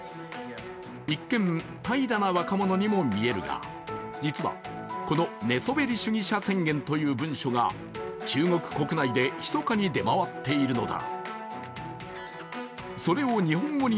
一見、怠惰な若者にも見えるが、実はこの寝そべり主義者宣言という文書が中国国内で、ひそかに出回っているのだ。